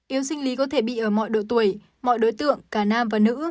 yếu sinh lý có thể bị ở mọi độ tuổi mọi đối tượng cả nam và nữ